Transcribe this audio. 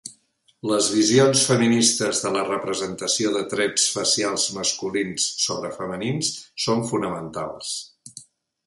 Les visions feministes de la representació de trets facials masculins sobre femenins són fonamentals.